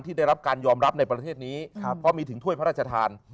ได้รับการยอมรับในประเทศนี้เพราะมีถึงถ้วยพระราชทาน